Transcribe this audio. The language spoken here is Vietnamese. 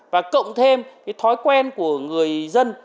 và cộng thêm cái thói quen của người dân